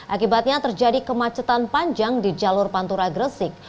akibatnya terjadi kemacetan panjang di jalur pantura gresik